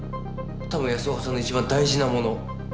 多分安岡さんの一番大事なもの。